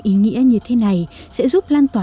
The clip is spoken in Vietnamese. ý nghĩa như thế này sẽ giúp lan tỏa